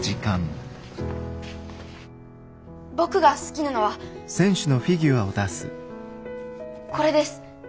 僕が好きなのはこれです。